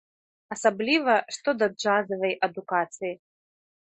Асабліва, што да джазавай адукацыі.